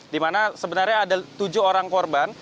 di mana sebenarnya ada tujuh orang korban